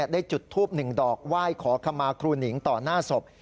ได้จุดทูบหนึ่งดอกไหว้ขอขมาครูหนิงต่อหน้าศพ